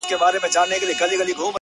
• دا کيږي چي زړه له ياده وباسم ؛